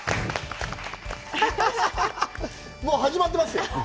もう始まってますよ。